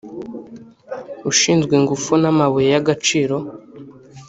ushinzwe ingufu n’amabuye y’agaciro